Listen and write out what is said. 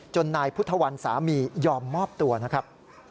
นายพุทธวันสามียอมมอบตัวนะครับ